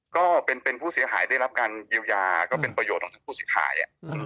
ก็เป็นผู้เสียหายได้รับการเยียวยาก็เป็นประโยชน์ของผู้เสียหาย